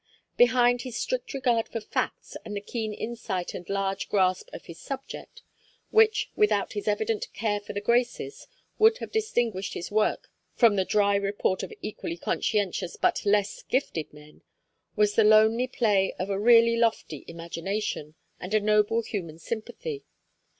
Behind his strict regard for facts and the keen insight and large grasp of his subject, which, without his evident care for the graces, would have distinguished his work from the dry report of equally conscientious but less gifted men, was the lonely play of a really lofty imagination, and a noble human sympathy.